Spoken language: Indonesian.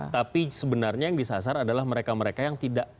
tapi sebenarnya yang disasar adalah mereka mereka yang tidak